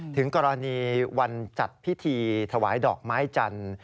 ถึงกรณีวันจัดพิธีถวายดอกไม้จันทร์